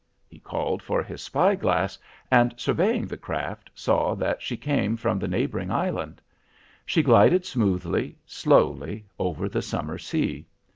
He called for his spyglass, and surveying the craft, saw that she came from the neighboring island. She glided smoothly, slowly, over the summer sea.